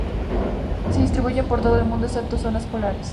Se distribuyen por todo el mundo, excepto zonas polares.